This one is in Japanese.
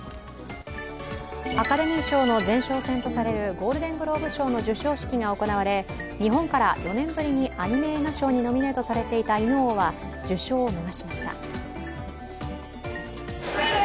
アカデミー賞の前哨戦とされるゴールデン・グローブ賞の授賞式が行われ日本から４年ぶりにアニメ映画賞にノミネートされていた「犬王」は受賞を逃しました。